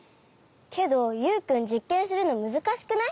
けどユウくんじっけんするのむずかしくない？